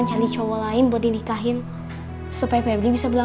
pemikiran mungkin juga diameinin